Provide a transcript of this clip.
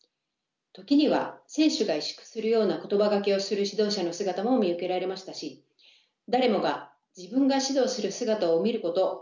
時には選手が委縮するような言葉がけをする指導者の姿も見受けられましたし誰もが自分が指導する姿を見ること